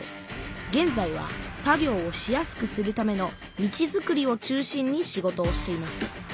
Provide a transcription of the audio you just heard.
げんざいは作業をしやすくするための道づくりを中心に仕事をしています。